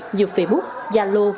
như facebook yalo